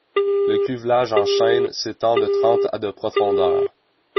Le cuvelage en chêne s'étend de trente à de profondeur.